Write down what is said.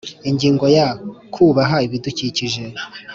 Ingingo ya kubaha ibidukikije